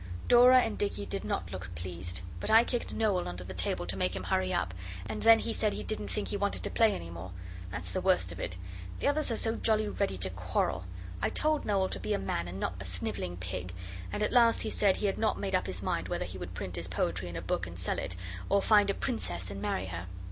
Dora and Dicky did not look pleased, but I kicked Noel under the table to make him hurry up, and then he said he didn't think he wanted to play any more. That's the worst of it. The others are so jolly ready to quarrel. I told Noel to be a man and not a snivelling pig, and at last he said he had not made up his mind whether he would print his poetry in a book and sell it, or find a princess and marry her.